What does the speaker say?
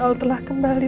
al telah kembali